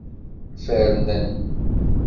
Fernen.